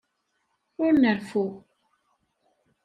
Ur nreffu.